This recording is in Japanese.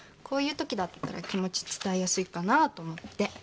こういうときだったら気持ち伝えやすいかなと思って。